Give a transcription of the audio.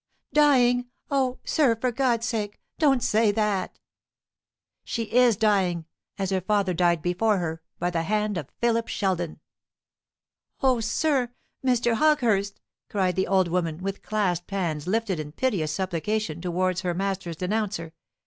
"Dying! O, sir, for God's sake, don't say that!" "She is dying, as her father died before her, by the hand of Philip Sheldon." "O, sir! Mr. Hawkehurst!" cried the old woman, with clasped hands lifted in piteous supplication towards her master's denouncer.